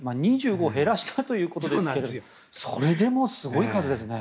２５減らしたということですがそれでもすごい数ですね。